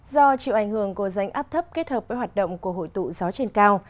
do chịu ảnh hưởng của rãnh áp thấp kết hợp với hoạt động của hội tụ gió trên cao